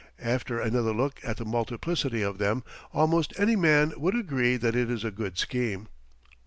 After another look at the multiplicity of them, almost any man would agree that it is a good scheme.